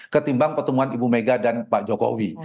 ketimbang pertemuan ibu megawati soekarno putri dan pak jokowi